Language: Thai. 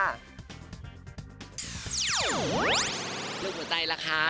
ลืมหัวใจแล้วค่ะ